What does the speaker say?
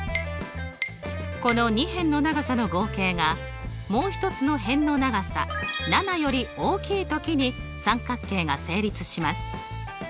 この２辺の長さの合計がもう一つの辺の長さ７より大きい時に三角形が成立します。